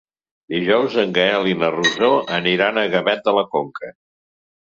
Dijous en Gaël i na Rosó aniran a Gavet de la Conca.